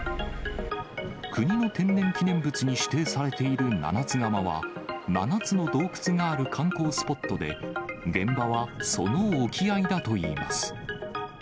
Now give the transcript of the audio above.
国の天然記念物に指定されている七ツ釜は、７つの洞窟がある観光スポットで、現場はその沖合だといいます。